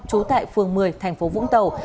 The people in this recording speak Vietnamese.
trú tại phường một mươi thành phố vũng tàu